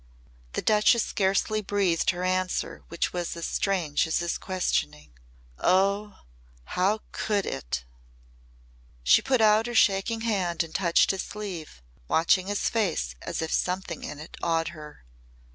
The Duchess scarcely breathed her answer which was as strange as his questioning. "Oh! How could it!" She put out her shaking hand and touched his sleeve, watching his face as if something in it awed her.